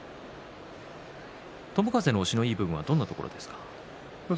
友風の押しのいい部分はどんなところですか。